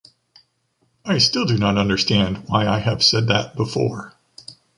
I still do not understand why I have said that before.